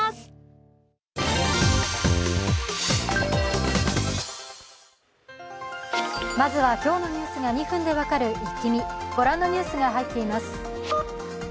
まずは今日のニュースが２分で分かるイッキ見、ご覧のニュースが入っています。